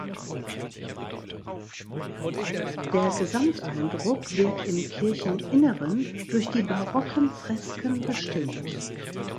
Der Gesamteindruck wird im Kircheninneren durch die barocken Fresken bestimmt.